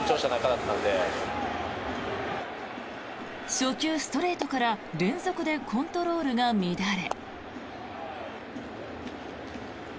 初球ストレートから連続でコントロールが乱れ。